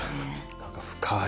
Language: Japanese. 何か深い。